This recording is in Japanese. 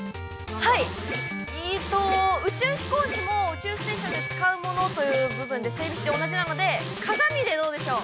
◆宇宙飛行士も宇宙ステーションで使うものという部分で整備士で同じなので鏡でどうでしょう。